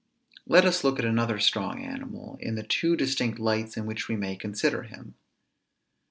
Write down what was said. Let us look at another strong animal, in the two distinct lights in which we may consider him.